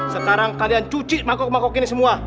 sekarang kalian cuci makok makok ini semua